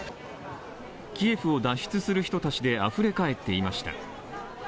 キエフを脱出する人たちであふれかえっていました。